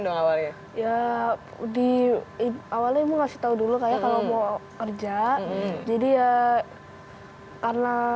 dong awalnya ya di awalnya mau kasih tahu dulu kayak kalau mau kerja jadi ya karena